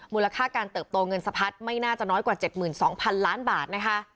มูลค่าการเติบโตเงินสะพัดไม่น่าจะน้อยกว่า๗๒๐๐๐ล้านบาทนะคะ